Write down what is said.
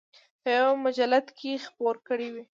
په یوه مجلد کې خپور کړی و.